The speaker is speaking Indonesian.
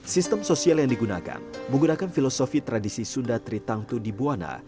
sistem sosial yang digunakan menggunakan filosofi tradisi sunda tritangtu di buwana